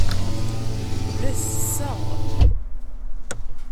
La tesseɣ.